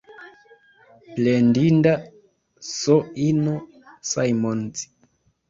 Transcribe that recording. Plendinda S-ino Simons!